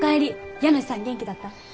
家主さん元気だった？